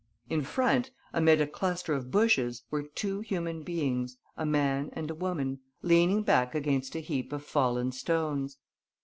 In front, amid a cluster of bushes, were two human beings, a man and a woman, leaning back against a heap of fallen stones.